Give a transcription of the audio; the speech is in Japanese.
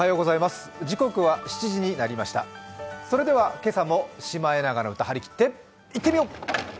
それでは今朝も「シマエナガの歌」張り切っていってみよう！